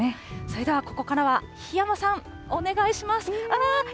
それではここからは、檜山さん、お願いします。